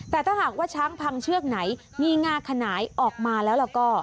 แต่ถ้าหากว่าช้างพังเชือกไหนมีงาขนายออกมาแล้วแล้วก็